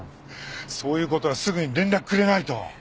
そういう事はすぐに連絡くれないと！